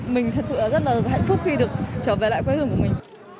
mình thật sự rất là hạnh phúc khi được trở về lại quê hương của mình